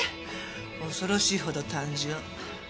恐ろしいほど単純。